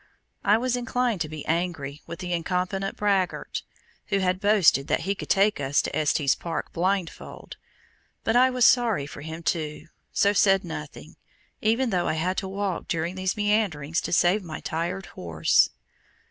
I was inclined to be angry with the incompetent braggart, who had boasted that he could take us to Estes Park "blindfold"; but I was sorry for him too, so said nothing, even though I had to walk during these meanderings to save my tired horse.